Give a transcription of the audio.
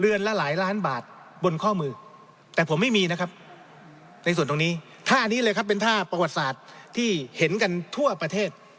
เลื่อนละหลายล้านบาท